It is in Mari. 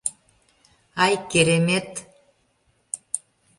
— Ай, керемет!